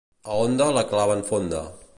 A Onda la claven fonda.